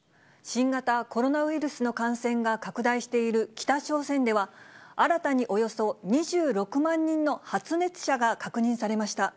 新型コロナウイルスの感染が拡大している北朝鮮では、新たにおよそ２６万人の発熱者が確認されました。